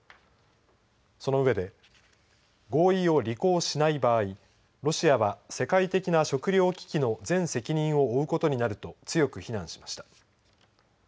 その上で、合意を履行しない場合ロシアは世界的な食料危機の全責任を負うことになると強く非難しました。